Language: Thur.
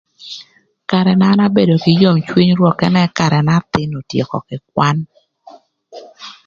Karë na an abedo kï yom cwiny rwök ënë karë n'athïn otyeko kï kwan.